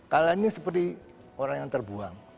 kalian ini seperti orang yang terbuang